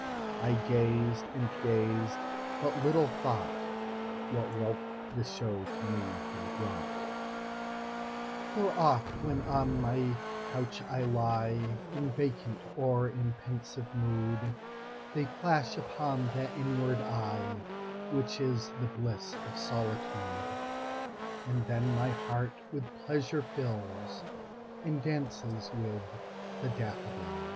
I gazed, and gazed, but little thoughtWhat wealth the show to me had brought:For oft, when on my couch I lieIn vacant or in pensive mood, They flash upon that inward eyeWhich is the bliss of solitude; And then my heart with pleasure fills, And dances with the daffodils.